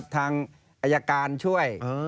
ทางอายการช่วย